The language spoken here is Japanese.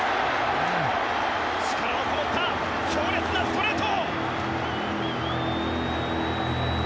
力のこもった強烈なストレート。